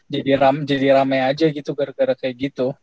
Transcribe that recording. jadi ramai aja gitu gara gara kayak gitu